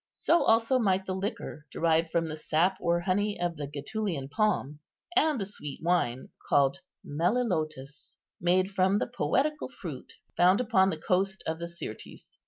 So also might the liquor derived from the sap or honey of the Getulian palm, and the sweet wine, called melilotus, made from the poetical fruit found upon the coast of the Syrtis.